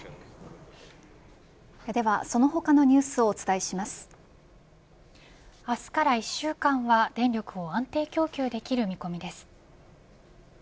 ではその他のニュースを明日から１週間は電力を安定供給できる見込みです。